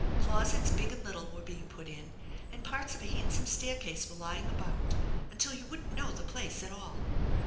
Closets big and little were being put in, and parts of a handsome stair case were lying about, until you wouldn't know the place at all.